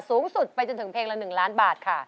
สูงสุดไปจนถึงเพลงละ๑ล้านบาทค่ะ